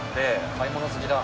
買い物好きだ。